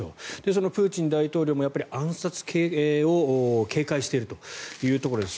そのプーチン大統領も、暗殺を警戒しているというところです。